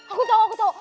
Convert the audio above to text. aku tau aku tau